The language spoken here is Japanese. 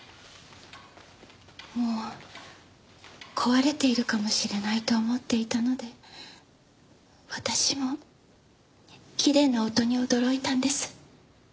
もう壊れているかもしれないと思っていたので私もきれいな音に驚いたんです。